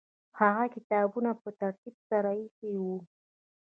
هغه کتابونه په ترتیب سره ایښي وو.